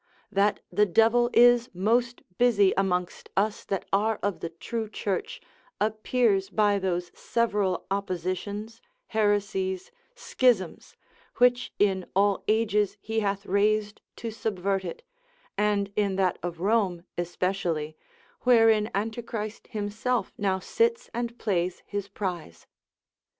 That the devil is most busy amongst us that are of the true church, appears by those several oppositions, heresies, schisms, which in all ages he hath raised to subvert it, and in that of Rome especially, wherein Antichrist himself now sits and plays his prize.